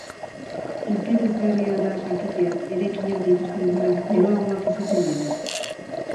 Interesgarria da jakitea eraikinak dituzten guneak beroagoak izaten direla.